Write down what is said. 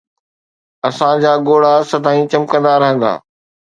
اسان جا ڳوڙها سدائين چمڪندا رهندا